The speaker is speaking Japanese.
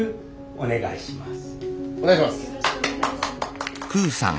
お願いします！